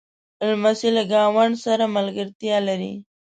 لمسی له ګاونډ سره ملګرتیا لري.